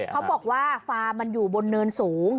เขาบอกว่าฟาร์มมันอยู่บนเนินสูง